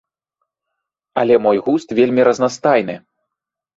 Але мой густ вельмі разнастайны.